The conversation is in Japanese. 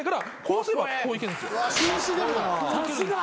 さすが。